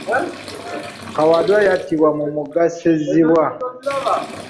Kawadwa yattibwa mu mugga Ssezibwa.